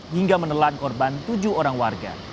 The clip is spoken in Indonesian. hingga menelan korban tujuh orang warga